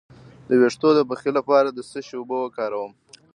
د ویښتو د پخې لپاره د څه شي اوبه وکاروم؟